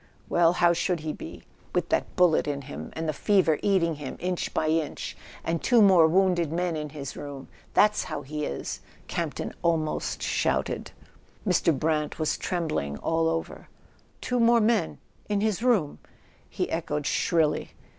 Well, how should he be, with that bullet in him, and the fever eating him inch by inch, and two more wounded men in his room ? That's how he is! " Camp¬ ton almost shouted. Mr. Brant was trembling all over. "Two more men — in his room?" he echoed shrilly.